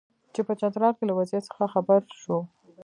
چې په چترال کې له وضعیت څخه خبر شو.